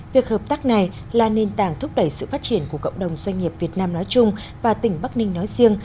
việc hợp tác này là nền tảng thúc đẩy sự phát triển của cộng đồng doanh nghiệp việt nam nói chung và tỉnh bắc ninh nói riêng